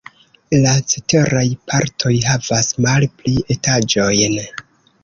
La ceteraj partoj havas malpli etaĝojn.